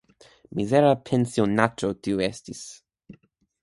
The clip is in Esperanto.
Mizera pensionaĉo tiu estis.